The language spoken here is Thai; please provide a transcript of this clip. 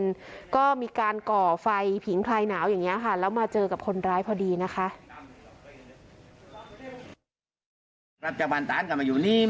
แล้วก็มีการก่อไฟผิงคลายหนาวอย่างนี้ค่ะแล้วมาเจอกับคนร้ายพอดีนะคะ